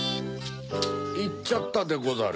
いっちゃったでござる。